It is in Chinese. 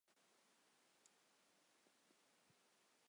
上杉显房是室町时代武将和守护大名。